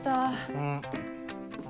うん。